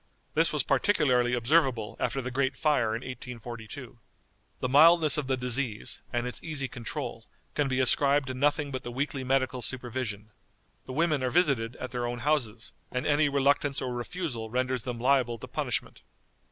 This was particularly observable after the great fire in 1842." _The mildness of the disease, and its easy control, can be ascribed to nothing but the weekly medical supervision. The women are visited at their own houses, and any reluctance or refusal renders them liable to punishment.